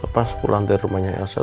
pas pulang dari rumahnya